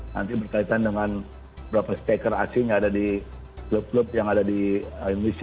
nanti berkaitan dengan berapa striker asing yang ada di klub klub yang ada di indonesia